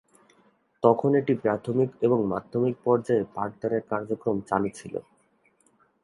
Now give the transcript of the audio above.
তখন এটি প্রাথমিক এবং মাধ্যমিক পর্যায়ে পাঠদান এর কার্যক্রম চালু ছিলো।